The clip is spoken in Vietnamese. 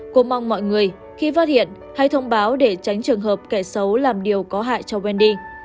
cô mong mọi người khi phát hiện hay thông báo để tránh trường hợp kẻ xấu làm điều có hại cho vendi